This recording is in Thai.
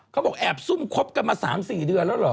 เขาบอกแอบซุ่มคบกันมา๓๔เดือนแล้วเหรอ